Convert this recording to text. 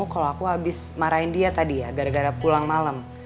kalau aku habis marahin dia tadi ya gara gara pulang malam